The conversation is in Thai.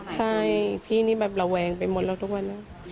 ใช่พี่นี่แบบระแวงไปหมดแล้วทุกวันนะ